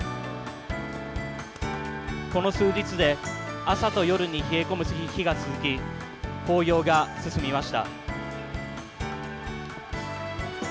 この数日で朝と夜に冷え込む日が続き紅葉が進みました。